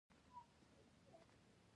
خور د هوښیارۍ نمونه ده.